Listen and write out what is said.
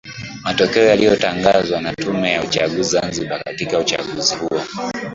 Matokeo yaliyotangazwa na Tume ya Uchaguzi Zanzibar katika uchaguzi huo